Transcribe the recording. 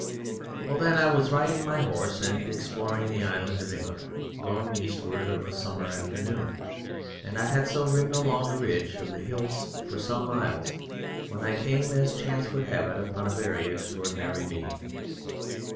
Well, then, I was riding my horse and exploring the Island of England, going eastward of a summer afternoon, and I had so ridden along the ridge of the hills for some miles when I came, as chance would have it, upon a very extraordinary being.